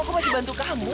aku pasti bantu kamu